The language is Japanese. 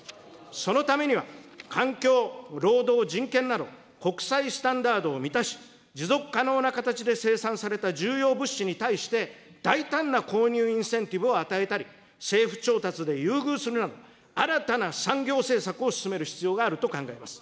そのためには、環境、労働、人権など、国際スタンダードを満たし、持続可能な形で生産された重要物資に対して、大胆な購入インセンティブを与えたり、政府調達で優遇するなど、新たな産業政策を進める必要があると考えます。